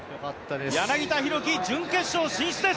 柳田大輝、準決勝進出です！